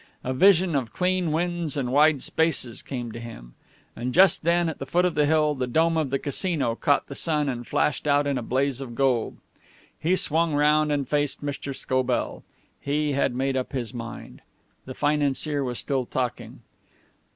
A vision of clean winds and wide spaces came to him. And just then, at the foot of the hill, the dome of the Casino caught the sun, and flashed out in a blaze of gold. He swung round and faced Mr. Scobell. He had made up his mind. The financier was still talking.